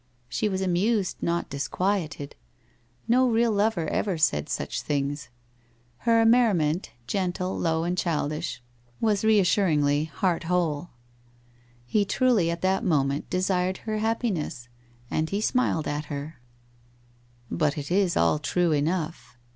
She was amused, not disquieted. Xo real lover ever said such tilings ! Her merriment, gentle, low, and childish, was reassuringly heart whole. He truly at that moment de sired her happiness, and he smiled at her. ' But it is all true enough.